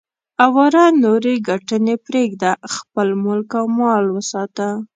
اواره نورې ګټنې پرېږده، خپل ملک او مال وساته.